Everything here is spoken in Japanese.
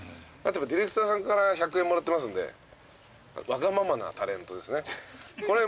ディレクターさんから１００円もらってますんでわがままなタレントですね。